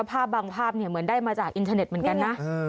ภาพบางภาพเหมือนได้มาจากอินเทอร์เน็ตเหมือนกันนะ